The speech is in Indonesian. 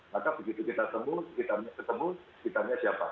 maka begitu kita ketemu kita ketemu kita tanya siapa